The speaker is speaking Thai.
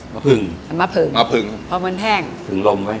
มะผึงพอมันแห้งมะผึงมาปัดจากตู้เย็น